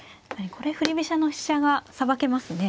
これ振り飛車の飛車がさばけますね。